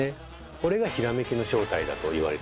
これがひらめきの正体だと言われています。